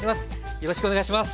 よろしくお願いします。